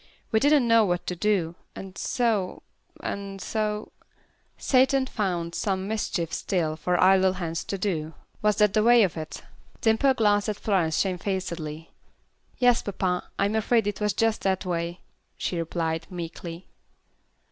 We didn't know what to do, and so and so " "'Satan found some mischief still For idle hands to do;' was that the way of it?" Dimple glanced at Florence shamefacedly. "Yes, papa, I'm afraid it was just that way," she replied, meekly.